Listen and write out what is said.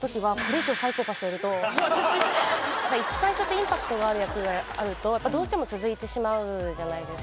一回そうやってインパクトがある役があるとどうしても続いてしまうじゃないですか。